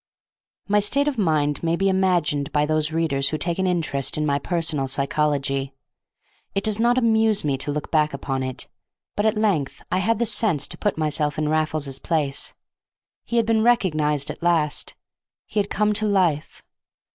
My state of mind may be imagined by those readers who take an interest in my personal psychology. It does not amuse me to look back upon it. But at length I had the sense to put myself in Raffles's place. He had been recognized at last, he had come to life.